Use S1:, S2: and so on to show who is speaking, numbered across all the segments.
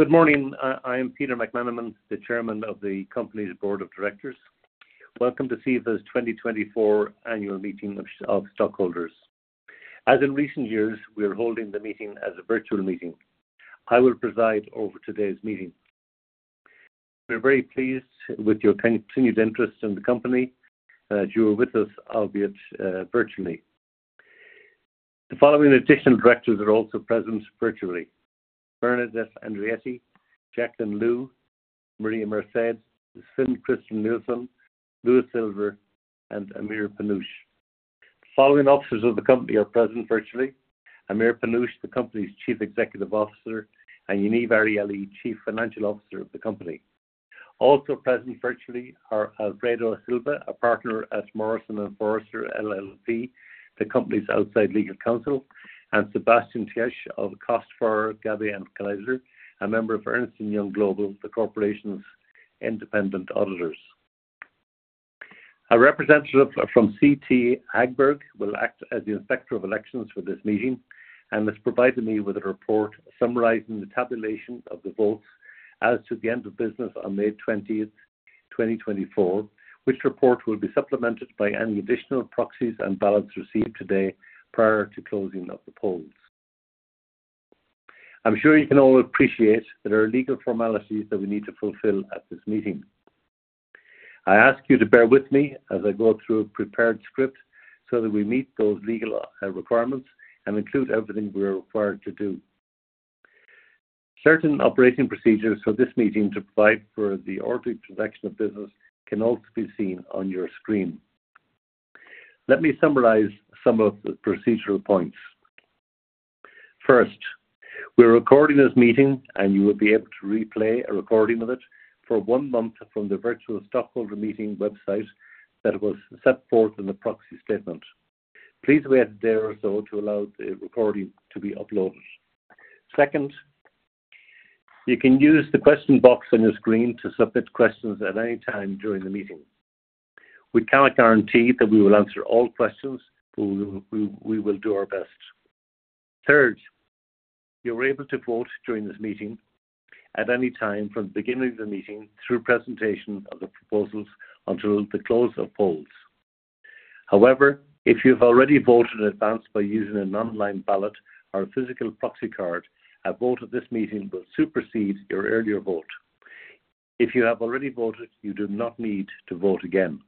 S1: Good morning. I am Peter McManamon, the Chairman of the company's Board of Directors. Welcome to CEVA's 2024 Annual Meeting of Stockholders. As in recent years, we are holding the meeting as a virtual meeting. I will preside over today's meeting. We're very pleased with your continued interest in the company, that you are with us, albeit virtually. The following additional directors are also present virtually: Bernadette Andrietti, Jaclyn Liu, Maria Marced, Sven-Christer Nilsson, Louis Silver, and Amir Panush. The following officers of the company are present virtually: Amir Panush, the company's Chief Executive Officer, and Yaniv Arieli, Chief Financial Officer of the company. Also present virtually are Alfredo Silva, a partner at Morrison & Foerster LLP, the company's outside legal counsel, and Sebastian Tesch of Kost Forer Gabbay & Kasierer, a member of Ernst & Young Global, the corporation's independent auditors. A representative from CT Hagberg will act as the inspector of elections for this meeting and has provided me with a report summarizing the tabulation of the votes as to the end of business on May 20, 2024, which report will be supplemented by any additional proxies and ballots received today prior to closing of the polls. I'm sure you can all appreciate there are legal formalities that we need to fulfill at this meeting. I ask you to bear with me as I go through a prepared script so that we meet those legal requirements and include everything we are required to do. Certain operating procedures for this meeting to provide for the orderly transaction of business can also be seen on your screen. Let me summarize some of the procedural points. First, we're recording this meeting, and you will be able to replay a recording of it for one month from the virtual stockholder meeting website that was set forth in the proxy statement. Please wait a day or so to allow the recording to be uploaded. Second, you can use the question box on your screen to submit questions at any time during the meeting. We cannot guarantee that we will answer all questions, but we will do our best. Third, you are able to vote during this meeting at any time from the beginning of the meeting through presentation of the proposals until the close of polls. However, if you've already voted in advance by using an online ballot or a physical proxy card, a vote at this meeting will supersede your earlier vote. If you have already voted, you do not need to vote again.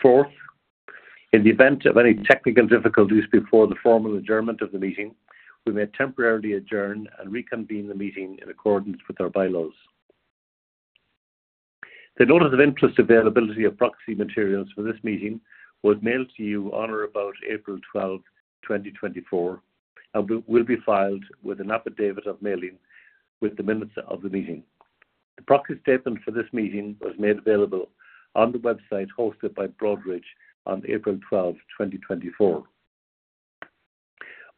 S1: Fourth, in the event of any technical difficulties before the formal adjournment of the meeting, we may temporarily adjourn and reconvene the meeting in accordance with our bylaws. The notice of internet availability of proxy materials for this meeting was mailed to you on or about April 12, 2024, and will be filed with an affidavit of mailing with the minutes of the meeting. The proxy statement for this meeting was made available on the website hosted by Broadridge on April 12, 2024.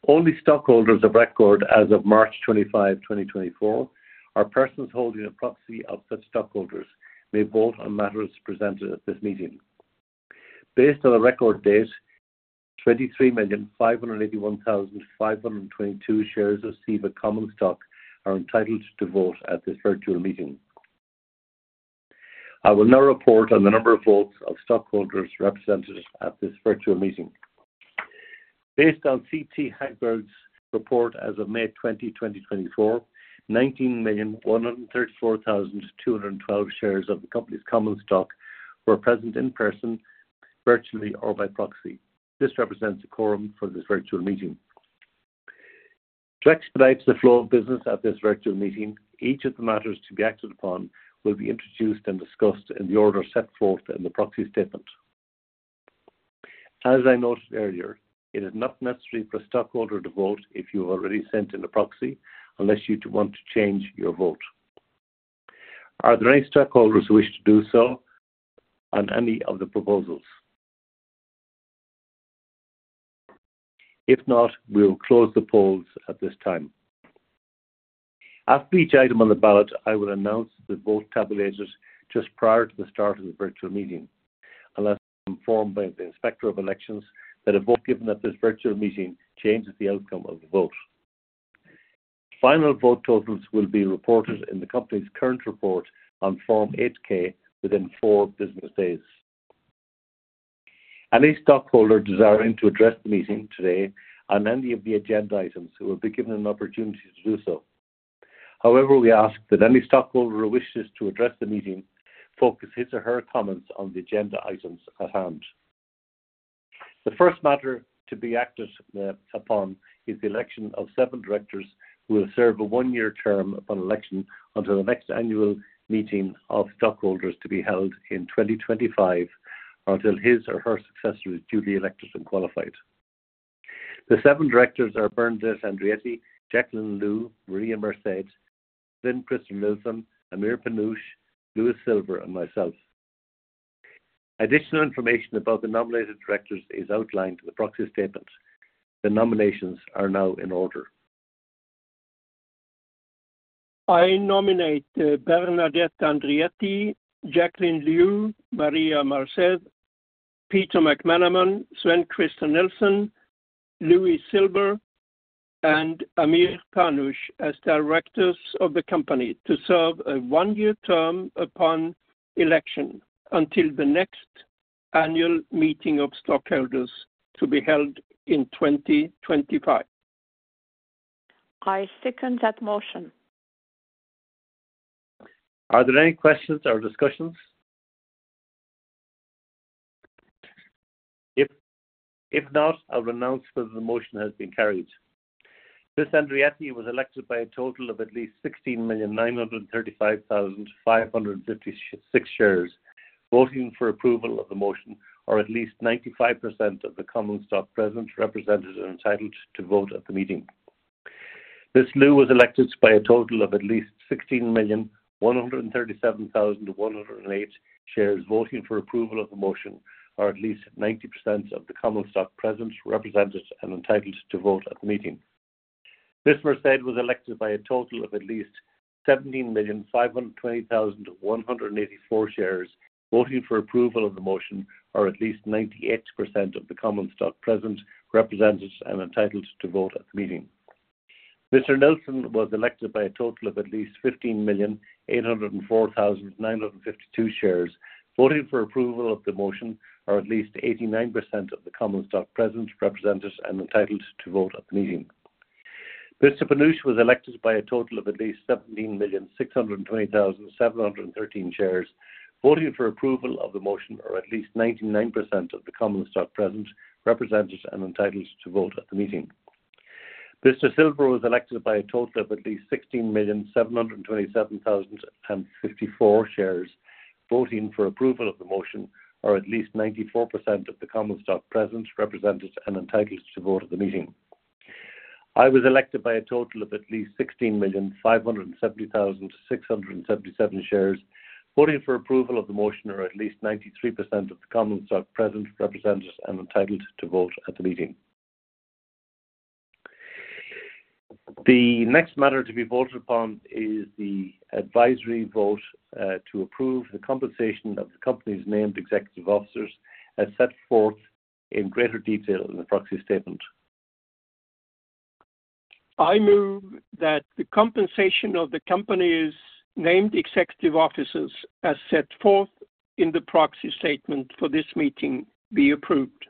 S1: Only stockholders of record as of March 25, 2024, or persons holding a proxy of such stockholders, may vote on matters presented at this meeting. Based on the record date, 23,581,522 shares of CEVA common stock are entitled to vote at this virtual meeting. I will now report on the number of votes of stockholders represented at this virtual meeting. Based on CT Hagberg's report as of May 20, 2024, 19,134,212 shares of the company's common stock were present in person, virtually, or by proxy. This represents a quorum for this virtual meeting. To expedite the flow of business at this virtual meeting, each of the matters to be acted upon will be introduced and discussed in the order set forth in the proxy statement. As I noted earlier, it is not necessary for a stockholder to vote if you have already sent in a proxy, unless you want to change your vote. Are there any stockholders who wish to do so on any of the proposals? If not, we'll close the polls at this time. After each item on the ballot, I will announce the vote tabulated just prior to the start of the virtual meeting, unless informed by the Inspector of Elections that a vote given at this virtual meeting changes the outcome of the vote. Final vote totals will be reported in the company's current report on Form 8-K within four business days. Any stockholder desiring to address the meeting today on any of the agenda items will be given an opportunity to do so. However, we ask that any stockholder who wishes to address the meeting focus his or her comments on the agenda items at hand. The first matter to be acted upon is the election of seven directors who will serve a one-year term upon election until the next annual meeting of stockholders to be held in 2025, until his or her successor is duly elected and qualified. The seven directors are Bernadette Andrietti, Jaclyn Liu, Maria Marced, Sven-Christer Nilsson, Amir Panush, Louis Silver, and myself. Additional information about the nominated directors is outlined in the proxy statement. The nominations are now in order.
S2: I nominate Bernadette Andrietti, Jaclyn Liu, Maria Marced, Peter McManamon, Sven-Christer Nilsson, Louis Silver, and Amir Panush as directors of the company to serve a one-year term upon election, until the next annual meeting of stockholders, to be held in 2025. I second that motion.
S1: Are there any questions or discussions? If not, I'll announce that the motion has been carried. Ms. Andrietti was elected by a total of at least 16,935,556 shares, voting for approval of the motion, or at least 95% of the common stock present, represented, and entitled to vote at the meeting. Ms. Liu was elected by a total of at least 16,137,108 shares, voting for approval of the motion, or at least 90% of the common stock present, represented, and entitled to vote at the meeting. Ms. Marced was elected by a total of at least 17,520,184 shares, voting for approval of the motion, or at least 98% of the common stock present, represented, and entitled to vote at the meeting. Mr. Nilsson was elected by a total of at least 15,804,952 shares, voting for approval of the motion, or at least 89% of the common stock present, represented, and entitled to vote at the meeting. Mr. Panush was elected by a total of at least 17,620,713 shares, voting for approval of the motion, or at least 99% of the common stock present, represented, and entitled to vote at the meeting. Mr. Silver was elected by a total of at least 16,727,054 shares, voting for approval of the motion, or at least 94% of the common stock present, represented, and entitled to vote at the meeting. I was elected by a total of at least 16,570,677 shares, voting for approval of the motion, or at least 93% of the common stock present, represented, and entitled to vote at the meeting. The next matter to be voted upon is the advisory vote to approve the compensation of the company's named executive officers, as set forth in greater detail in the proxy statement.
S2: I move that the compensation of the company's named executive officers, as set forth in the proxy statement for this meeting, be approved.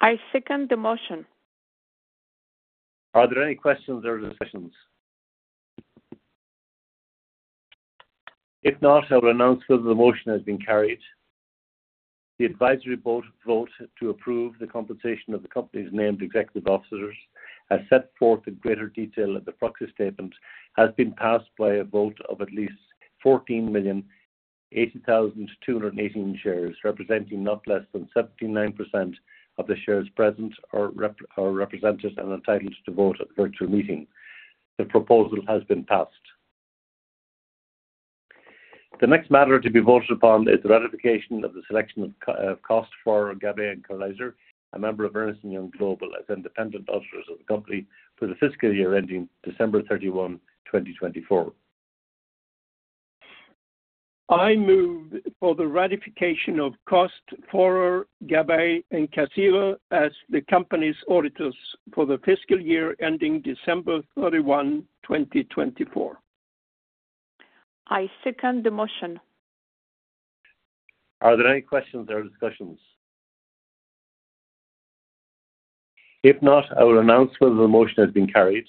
S2: I second the motion.
S1: Are there any questions or discussions? If not, I'll announce that the motion has been carried. The advisory vote, vote to approve the compensation of the company's named executive officers, as set forth in greater detail in the proxy statement, has been passed by a vote of at least 14,080,218 shares, representing not less than 79% of the shares present or represented and entitled to vote at the virtual meeting. The proposal has been passed. The next matter to be voted upon is the ratification of the selection of Kost Forer Gabbay & Kasierer, a member of Ernst & Young Global, as independent auditors of the company for the fiscal year ending December 31, 2024.
S2: I move for the ratification of Kost Forer Gabbay & Kasierer as the company's auditors for the fiscal year ending December 31, 2024. I second the motion.
S1: Are there any questions or discussions? If not, I will announce whether the motion has been carried.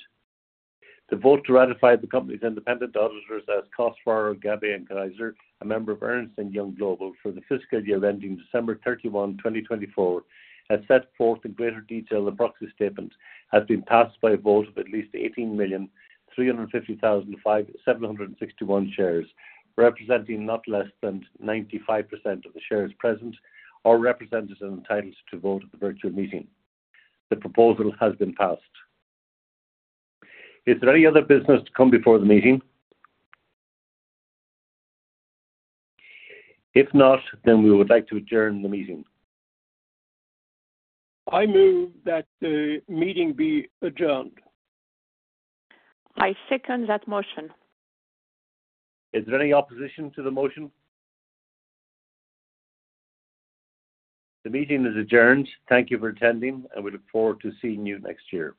S1: The vote to ratify the company's independent auditors as Kost Forer Gabbay & Kasierer, a member of Ernst & Young Global, for the fiscal year ending December 31, 2024, as set forth in greater detail in the proxy statement, has been passed by a vote of at least 18,350,571 shares, representing not less than 95% of the shares present or represented and entitled to vote at the virtual meeting. The proposal has been passed. Is there any other business to come before the meeting? If not, then we would like to adjourn the meeting.
S2: I move that the meeting be adjourned. I second that motion.
S1: Is there any opposition to the motion? The meeting is adjourned. Thank you for attending, and we look forward to seeing you next year.